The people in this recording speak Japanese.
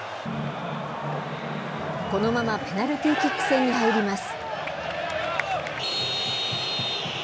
このままペナルティーキック戦に入ります。